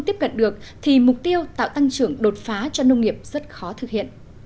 tiếp cận được thì mục tiêu tạo tăng trưởng đột phá cho nông nghiệp rất khó thực hiện